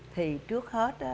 thì trước hết